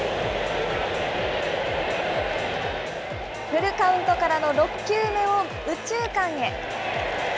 フルカウントからの６球目を右中間へ。